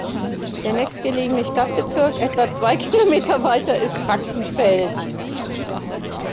Der nächstgelegene Stadtbezirk, etwa zwei Kilometer weiter, ist Fachsenfeld.